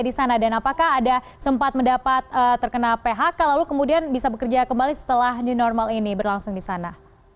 dan apakah ada sempat mendapat terkena phk lalu kemudian bisa bekerja kembali setelah di normal ini berlangsung di sana